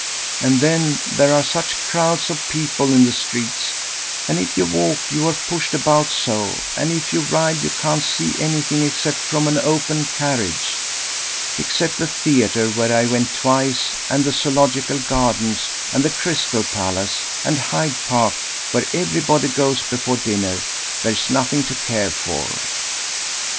And then there are such crowds of people in the streets; and if you walk you are pushed about so, and if you ride you can't see anything except from an open carriage. Except the theatre, where I went twice, and the Zoological Gardens and the Crystal Palace, and Hyde Park, where everybody goes before dinner, there's nothing to care for."